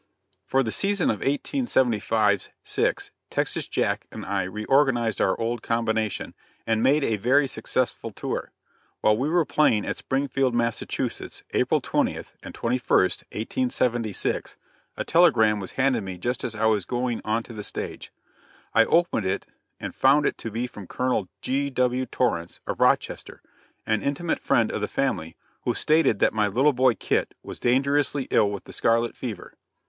For the season of 1875 6, Texas Jack and I reorganized our old Combination, and made a very successful tour. While we were playing at Springfield, Massachusetts, April 20th and 21st 1876, a telegram was handed me just as I was going on the stage. I opened it and found it to be from Colonel G.W. Torrence, of Rochester, an intimate friend of the family, who stated that my little boy Kit was dangerously ill with the scarlet fever.